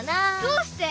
どうして？